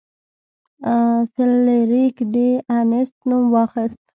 فلیریک د انیسټ نوم واخیست.